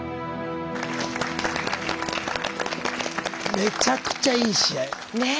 めちゃくちゃいい試合。ねえ！